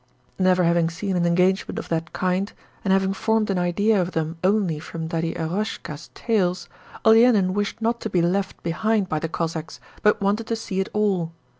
Never having seen an engagement of that kind, and having formed an idea of them only from Daddy Eroshka's tales, Olenin wished not to be left behind by the Cossacks, but wanted to see it all.